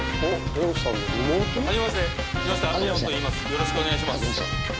よろしくお願いします。